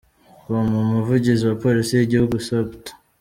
com, umuvugizi wa polisi y’igihugu Supt.